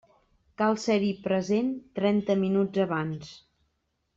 Cal ser-hi present trenta minuts abans.